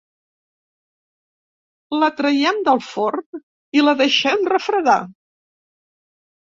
La traiem del forn i la deixem refredar.